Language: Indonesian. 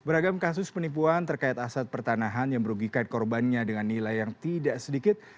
beragam kasus penipuan terkait aset pertanahan yang merugikan korbannya dengan nilai yang tidak sedikit